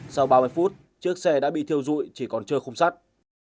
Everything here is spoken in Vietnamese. sau ba mươi phút chiếc xe đã bị thiêu dụi chỉ còn chơi không sắt